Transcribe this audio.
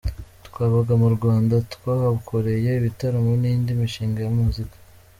Twabaga mu Rwanda, twahakoreye ibitaramo n’indi mishinga ya muzika.